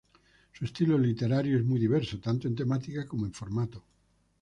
Su estilo literario es muy diverso, tanto en temática como en formato.